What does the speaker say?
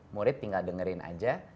murid tinggal dengerin aja